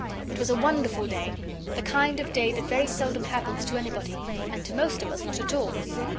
It was a wonderful day the kind of day that very seldom happens to anybody and to most of us not at all.